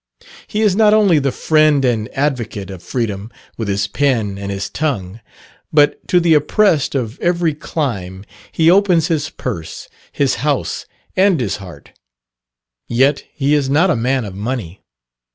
He is not only the friend and advocate of freedom with his pen and his tongue, but to the oppressed of every clime he opens his purse, his house, and his heart: yet he is not a man of money.